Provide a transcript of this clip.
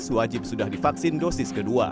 sewajib sudah divaksinasi